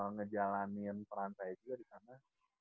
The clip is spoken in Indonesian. ngejalanin peran saya juga di sana